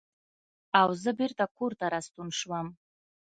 او زۀ بېرته کورته راستون شوم ـ